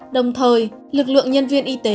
đồng thời lực lượng nhân viên y tế